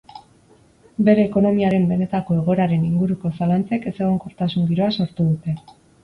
Bere ekonomiaren benetako egoeraren inguruko zalantzek ezegonkortasun giroa sortu dute.